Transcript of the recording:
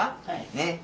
ねっ。